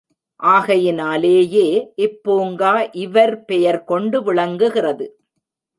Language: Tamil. ஆகையினாலேயே இப்பூங்கா இவர் பெயர் கொண்டு விளங்குகிறது.